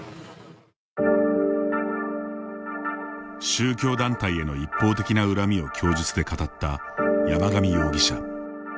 宗教団体への一方的な恨みを供述で語った山上容疑者。